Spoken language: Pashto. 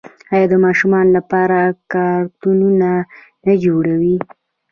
آیا د ماشومانو لپاره کارتونونه نه جوړوي؟